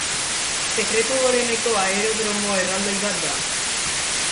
Sekretu goreneko aerodromo erraldoi bat da.